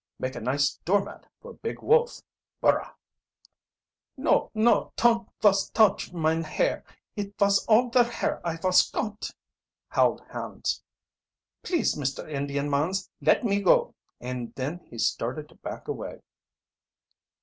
"Maka nice door mat for Big Wolf. Burra!" "No, no; ton't vos touch mine hair it vos all der hair I vos got!" howled Hans. "Please, Mister Indian mans, let me go!" And then he started to back away.